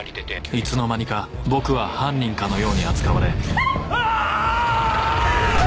いつの間にか僕は犯人かのように扱われキャ！